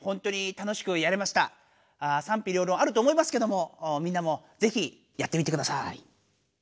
さんぴりょうろんあると思いますけどもみんなもぜひやってみてください。